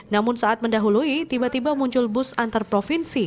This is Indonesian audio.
namun saat mendahului tiba tiba muncul bus antarprovinsi